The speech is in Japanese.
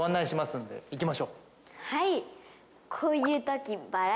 はい！